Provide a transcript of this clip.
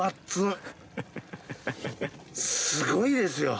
すごいですよ。